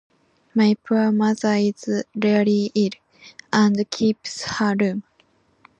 My poor mother is really ill, and keeps her room.